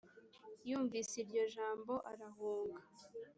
yumvise iryo jambo arahunga